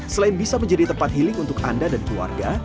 selain bisa menjadi tempat healing untuk anda dan keluarga